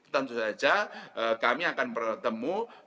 tentu saja kami akan bertemu